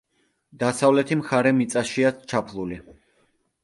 დასავლეთი მხარე მიწაშია ჩაფლული.